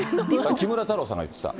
木村太郎さんが言ってた。